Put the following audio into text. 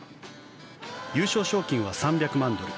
優勝賞金は３００万ドル